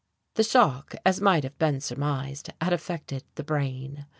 The shock as might have been surmised had affected the brain....